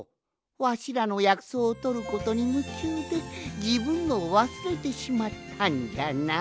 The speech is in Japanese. わしらのやくそうをとることにむちゅうでじぶんのをわすれてしまったんじゃな。